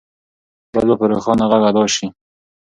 بل به په روښانه غږ ادا شي.